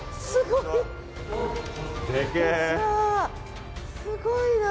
すごいなあ。